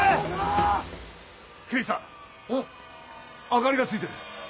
明かりがついてる。